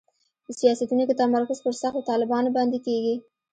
په سیاستونو کې تمرکز پر سختو طالبانو باندې کېږي.